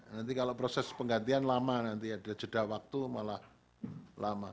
nanti kalau proses penggantian lama nanti ada jeda waktu malah lama